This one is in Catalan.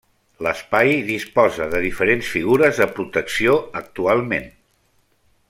L’espai disposa de diferents figures de protecció actualment.